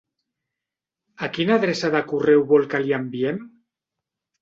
A quina adreça de correu vol que li enviem?